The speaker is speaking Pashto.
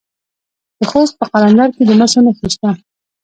د خوست په قلندر کې د مسو نښې شته.